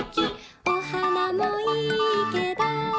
「お花もいいけど」